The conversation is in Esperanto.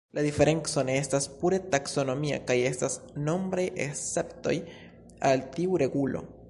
La diferenco ne estas pure taksonomia kaj estas nombraj esceptoj al tiu regulo.